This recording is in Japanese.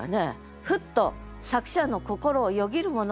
ふっと作者の心をよぎるものがあるのです。